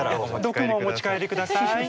毒もお持ち帰りください。